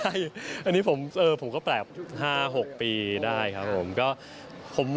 ใช่อันนี้ผมก็ปรับ๕๖ปีได้ครับผม